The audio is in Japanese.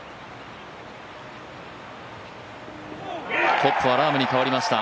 トップはラームに変わりました。